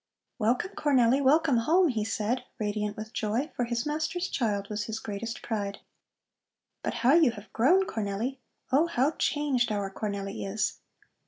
"Welcome, Cornelli, welcome home!" he said, radiant with joy, for his master's child was his greatest pride. "But how you have grown, Cornelli! Oh, how changed our Cornelli is!"